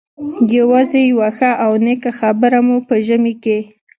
یوازې یوه ښه او نېکه خبره مو په ژمي کې.